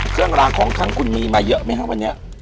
เครื่องราของของคุณมีมาเยอะไหมฮะวันนี้